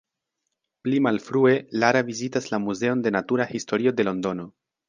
Pli malfrue, Lara vizitas la muzeon de natura historio de Londono.